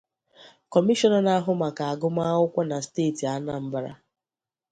Kọmishọna na-ahụ maka agụmakwụkwọ na steeti Anambra